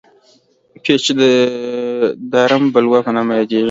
پېښه چې د رام بلوا په نامه یادېږي.